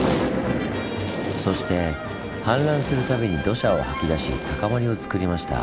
そして氾濫する度に土砂を吐き出し高まりをつくりました。